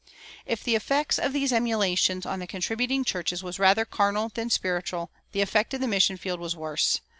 If the effect of these emulations on the contributing churches was rather carnal than spiritual, the effect in the mission field was worse.